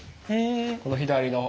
この左の。